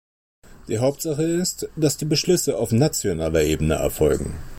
Die Hauptsache ist, dass die Beschlüsse auf nationaler Ebene erfolgen.